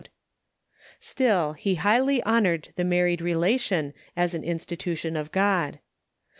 Still, he highly honored the married relation as an institution of God.